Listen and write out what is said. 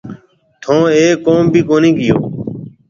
ٿونه اَي ڪوم ڀِي ڪونِي ڪيو۔